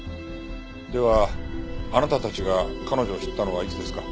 ではあなたたちが彼女を知ったのはいつですか？